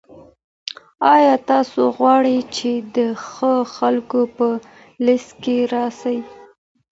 آیا تاسو غواړئ چي د ښه خلکو په لیست کي راسئ؟